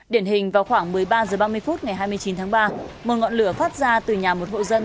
điển hình vào khoảng một mươi ba h ba mươi phút ngày hai mươi chín tháng ba một ngọn lửa phát ra từ nhà một hộ dân